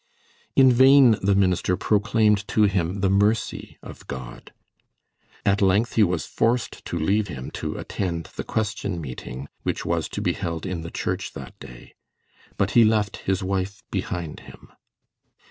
In vain the minister proclaimed to him the mercy of God. At length he was forced to leave him to attend the "Question Meeting" which was to be held in the church that day. But he left his wife behind him.